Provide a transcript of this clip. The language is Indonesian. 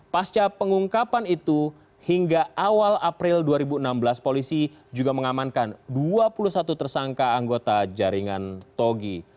pasca pengungkapan itu hingga awal april dua ribu enam belas polisi juga mengamankan dua puluh satu tersangka anggota jaringan togi